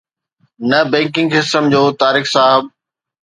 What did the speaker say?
نه، banking system جو طارق صاحب